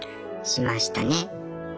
しましたね。